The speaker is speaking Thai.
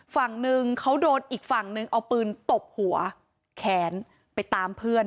ของทางเค้าโดนอีกฝั่งนึงเอาปืนตบหัวแค้นไปการตามเพื่อน